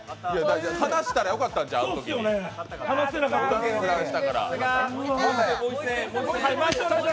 離したらよかったんちゃう、あのときに。